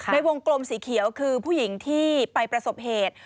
ในวงกลมสีเขียวคือผู้หญิงที่ไปประสบเหตุ